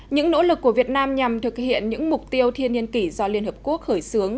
những nỗ lực của việt nam nhằm thực hiện những mục tiêu thiên nhiên kỷ do liên hợp quốc khởi xướng